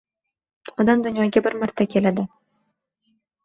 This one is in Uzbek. Odam dunyoga bir marta keladi